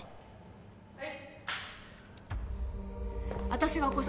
はい。